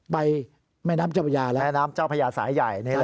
ไปแม่น้ำเจ้าพญาแล้วแม่น้ำเจ้าพญาสายใหญ่นี่เลย